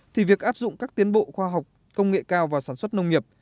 thì việc áp dụng các tiến bộ khoa học công nghệ cao vào sản xuất nông nghiệp